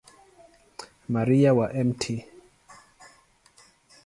Maria wa Mt.